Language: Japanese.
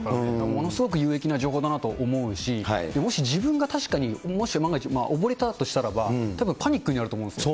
ものすごく有益な情報だと思うし、もし自分が確かにもし万が一、溺れたとしたら、たぶんパニックになると思うんですよ。